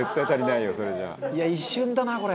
「いや一瞬だなこれ」